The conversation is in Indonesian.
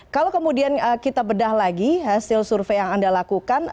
kalau kemudian kita bedah lagi hasil survei yang anda lakukan